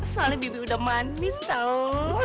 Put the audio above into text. soalnya bibit udah manis tau